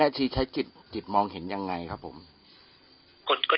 แล้วก็เอาโดมัญญาณน้องขึ้นมา